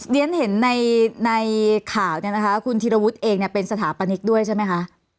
เดี๋ยวเห็นในข่าวคุณธิรวุทธ์เองเป็นสถาปนิกด้วยใช่ไหมคะ